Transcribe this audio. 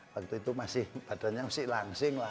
waktu itu masih badannya masih langsing lah